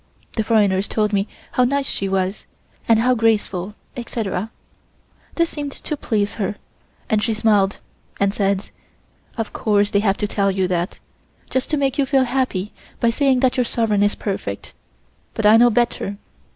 The foreigners told me how nice she was, and how graceful, etc. This seemed to please her, and she smiled and said: "Of course they have to tell you that, just to make you feel happy by saying that your sovereign is perfect, but I know better.